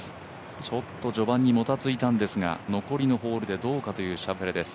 ちょっと序盤にもたついたんですが残りのホールでどうかというシャウフェレです。